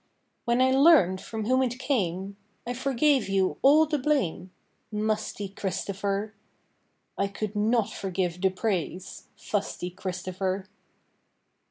When I learnt from whom it came, I forgave you all the blame, Musty Christopher; I could not forgive the praise, Fusty Christopher.